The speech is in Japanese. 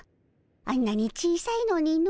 あんなに小さいのにの。